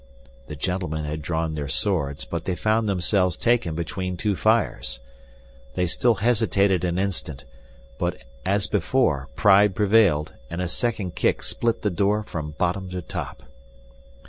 The gentlemen had drawn their swords, but they found themselves taken between two fires. They still hesitated an instant; but, as before, pride prevailed, and a second kick split the door from bottom to top.